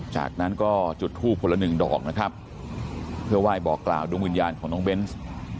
จากนั้นก็จุดทูบคนละหนึ่งดอกนะครับเพื่อไหว้บอกกล่าวดวงวิญญาณของน้องเบนส์